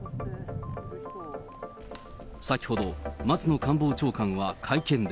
先ほど、松野官房長官は会見で。